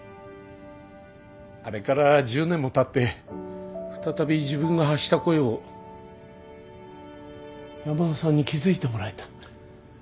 あれから１０年もたって再び自分が発した声を山田さんに気付いてもらえた。